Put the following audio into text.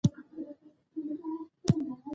ټول یې یو انتظار ځای ته بوتلو.